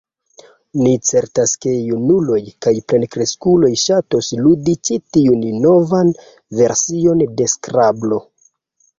Ni certas, ke junuloj kaj plenkreskuloj ŝatos ludi ĉi tiun novan version de Skrablo.